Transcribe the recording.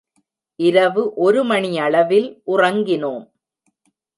இரவு ஒரு மணியளவில் உறங்கினோம்.